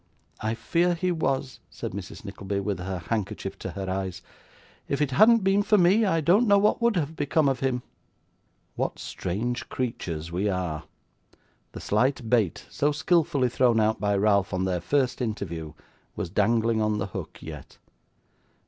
'I fear he was,' said Mrs. Nickleby, with her handkerchief to her eyes. 'If it hadn't been for me, I don't know what would have become of him.' What strange creatures we are! The slight bait so skilfully thrown out by Ralph, on their first interview, was dangling on the hook yet.